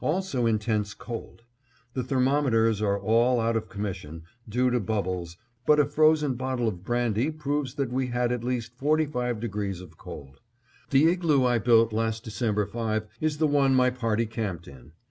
Also intense cold; the thermometers are all out of commission, due to bubbles; but a frozen bottle of brandy proves that we had at least 45° of cold. The igloo I built last December 5 is the one my party are camped in.